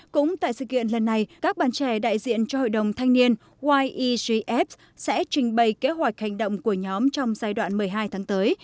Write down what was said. cũng tại sự kiện lần này các bạn trẻ đại diện cho hội đồng thanh niên wiegf sẽ trình bày kế hoạch hành động của nhóm trong giai đoạn một mươi hai tháng tới